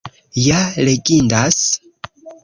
Ja legindas!